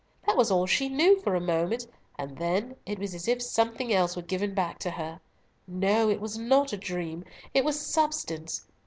That was all she knew for a moment, and then, it was as if something else were given back to her. No, it was not a dream! It was substance.